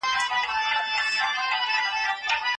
خو دغه هڅي باید د نورو په زیان نه وي.